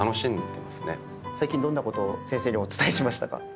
最近どんなことを先生にお伝えしましたか？